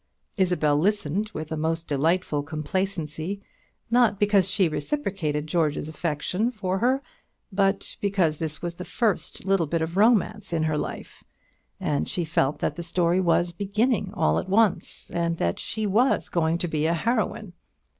Isabel listened with a most delightful complacency; not because she reciprocated George's affection for her, but because this was the first little bit of romance in her life, and she felt that the story was beginning all at once, and that she was going to be a heroine.